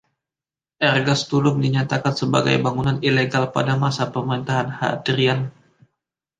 Ergastulum dinyatakan sebagai bangunan ilegal pada masa pemerintahan Hadrian.